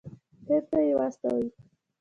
هند ته یې واستوي.